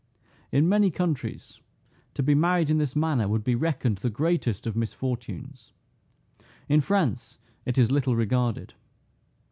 In many countries, to be married in this manner would be reckoned the greatest of misfortunes. In France it is little regarded.